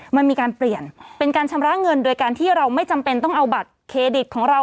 มันมีการเปลี่ยนเป็นการชำระเงินโดยการที่เราไม่จำเป็นต้องเอาบัตรเครดิตของเรา